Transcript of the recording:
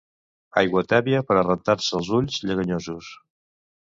Aigua tèbia per a rentar-se els ulls lleganyosos.